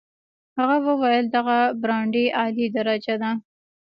هغه وویل دغه برانډې اعلی درجه ده.